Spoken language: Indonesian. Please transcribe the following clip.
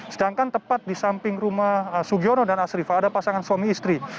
sedangkan tepat di samping rumah sugiono dan asrifah ada pasangan suami istri